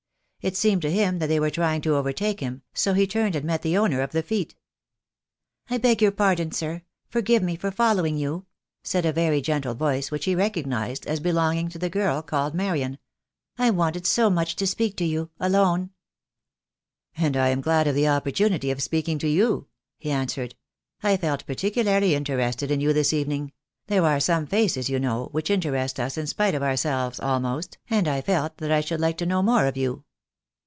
It seemed to him that they were trying to overtake him, so he turned and met the owner of the feet. "I beg your pardon, sir; forgive me for following you," said a very gentle voice, which he recognised as belong ing to the girl called Marian, "I wanted so much to speak to you — alone." "And I am glad of the opportunity of speaking to you," he answered. "I felt particularly interested in you this evening — there are some faces, you know, which in terest us in spite of ourselves almost, and I felt that I should like to know more of you."